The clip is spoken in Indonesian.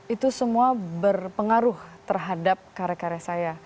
itu semua berpengaruh terhadap karya karya saya